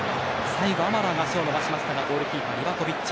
最後、アマラーが足を伸ばしましたがゴールキーパーリヴァコヴィッチ。